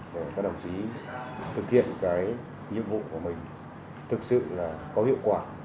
để các đồng chí thực hiện cái nhiệm vụ của mình thực sự là có hiệu quả